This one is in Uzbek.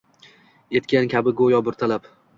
Etgan kabi go’yo bir talab